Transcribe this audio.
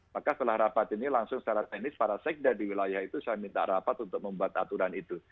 maka setelah rapat ini langsung secara teknis para sekda di wilayah itu saya minta rapat untuk membuat aturan itu